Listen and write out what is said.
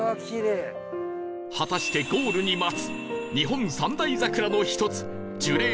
果たしてゴールに待つ日本三大桜の１つ樹齢